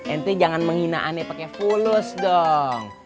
ente jangan menghina aneh pake fulus dong